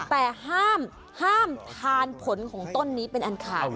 แต่ห้ามทานผลของต้นนี้เป็นอันขาด